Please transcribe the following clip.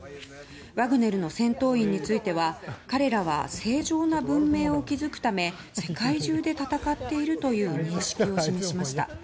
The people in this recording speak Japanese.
ワグネルの戦闘員については彼らは正常な文明を築くため世界中で戦っているという認識を示しました。